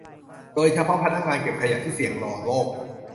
โดยเฉพาะพนักงานเก็บขยะที่เสี่ยงต่อโรค